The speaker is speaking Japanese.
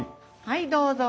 はいどうぞ。